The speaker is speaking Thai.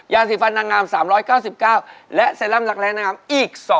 สีฟันนางงาม๓๙๙และเซรั่มรักแร้น้ำอีก